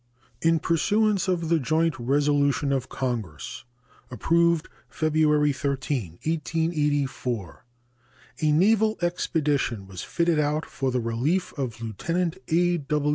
In pursuance of the joint resolution of Congress approved February 13, 1884, a naval expedition was fitted out for the relief of Lieutenant A.